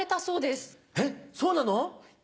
そうなの？